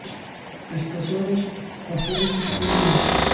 A estas horas afórrolles un minuto.